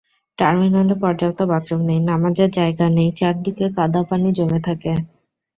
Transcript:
টার্মিনালে পর্যাপ্ত বাথরুম নেই, নামাজের জায়গা নেই, চারদিকে কাদাপানি জমে থাকে।